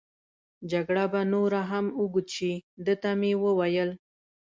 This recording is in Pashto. جګړه به نوره هم اوږد شي، ده ته مې وویل.